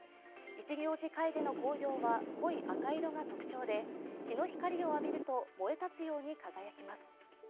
一行寺楓の紅葉は濃い赤色が特徴で、日の光を浴びると燃え立つように輝きます。